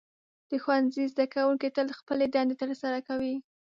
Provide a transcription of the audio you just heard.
د ښوونځي زده کوونکي تل خپلې دندې ترسره کوي.